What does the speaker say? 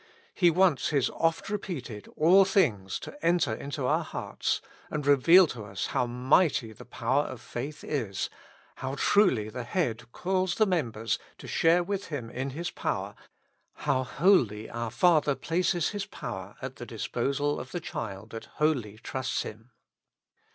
He wants His oft repeated " ALL things" to enter into our hearts, and reveal to us how mighty the power of faith is, how truly the Head calls the members to share with Him 86 With Christ in the School of Prayer. in His power, how wholly our Father places His power at the disposal of the child that wholly trusts Him.